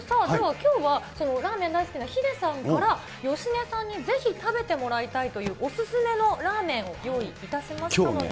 きょうは、そのラーメン大好きなヒデさんから、芳根さんにぜひ食べてもらいたいという、お勧めのラーメンを用意いたしましたので。